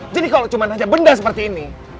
jadi kalo cuma benda seperti ini